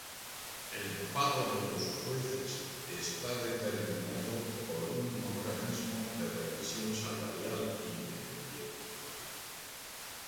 El pago de los jueces está determinado por un organismo de revisión salarial independiente.